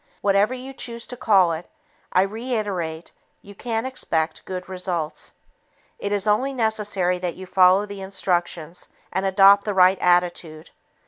Whatever you choose to call it, I reiterate you can expect good results. It is only necessary that you follow the instructions and adopt the right attitude.